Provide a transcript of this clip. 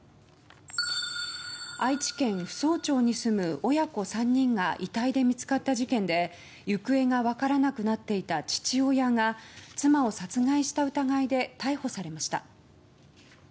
愛知県扶桑町に住む親子３人が遺体で見つかった事件で行方が分からなくなっていた父親が妻を殺害した疑いで逮捕されました。